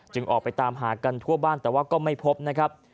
ออกไปตามหากันทั่วบ้านแต่ว่าก็ไม่พบนะครับ